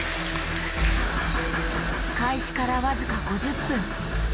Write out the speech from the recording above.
開始から僅か５０分。